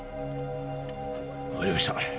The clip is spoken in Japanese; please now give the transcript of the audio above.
分かりました。